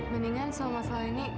mendingan soal masalah ini